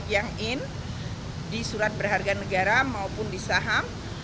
kepala pemerintah kita akan mencari keuntungan untuk mencapai keuntungan yang lebih baik